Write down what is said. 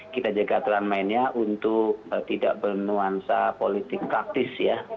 kita jaga aturan mainnya untuk tidak bernuansa politik praktis ya